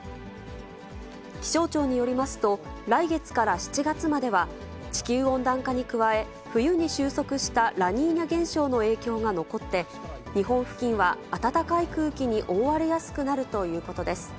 気象庁によりますと、来月から７月までは、地球温暖化に加え、冬に終息したラニーニャ現象の影響が残って、日本付近は暖かい空気に覆われやすくなるということです。